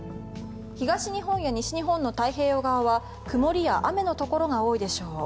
東日本や西日本の太平洋側は曇りや雨のところが多いでしょう。